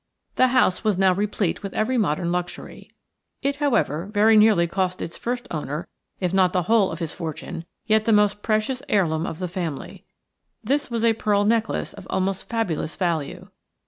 The house was now replete with every modern luxury. It, however, very nearly cost its first owner, if not the whole of his fortune, yet the most precious heirloom of the family. This was a pearl necklace of almost fabulous value.